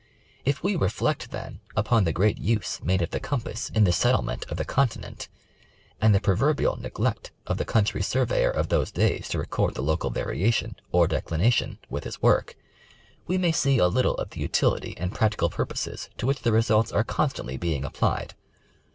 If we refiect then, upon the great use made of the compass^ in the settlement of the continent, and the proverbial neglect of the country surveyor of those days to record the local variation, or declination, with his work, we may see a little of the utility and practical purposes to which the results are constantly being applied.